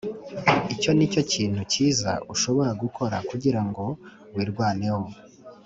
Icyo ni cyo kintu cyiza ushobora gukora kugira ngo wirwaneho